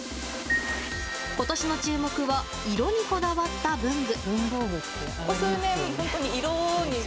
今年の注目は色にこだわった文具。